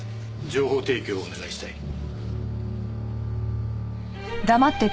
情報提供をお願いしたい。